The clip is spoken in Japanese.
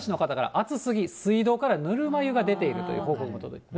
暑すぎ、水道からぬるま湯が出ているという報告も届いています。